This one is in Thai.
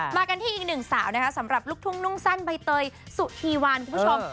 มากันที่อีกหนึ่งสาวนะคะสำหรับลูกทุ่งนุ่งสั้นใบเตยสุธีวันคุณผู้ชม